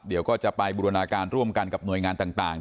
เดี๋ยวก็จะไปบูรณาการร่วมกันกับหน่วยงานต่าง